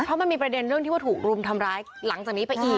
เพราะมันมีประเด็นเรื่องที่ว่าถูกรุมทำร้ายหลังจากนี้ไปอีก